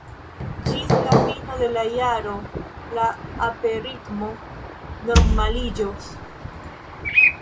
Ĝis la fino de la jaro la aperritmo normaliĝos.